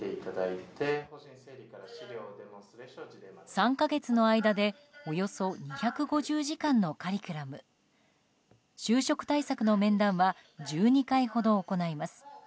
３か月の間でおよそ２５０時間のカリキュラム就職対策の面談は１２回ほど行います。